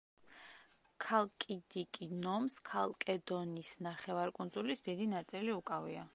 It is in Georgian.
ქალკიდიკი ნომს ქალკედონის ნახევარკუნძულის დიდი ნაწილი უკავია.